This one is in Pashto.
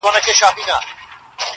څارونوال ویله پلاره نې کوومه,